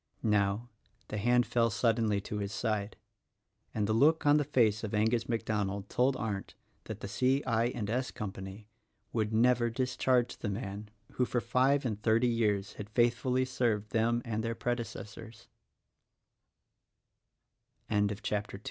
Now the hand fell suddenly to his sid e ; and the look on the face of Angus MacDonald told Arndt that the C. I. and S Co would never discharge the man who for five and thirtv years had faithfully served them and their predecessors CHAPTER III. "The qu